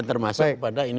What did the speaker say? termasuk pada ini